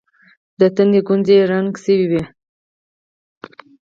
د تندي گونځې يې ړنګې سوې.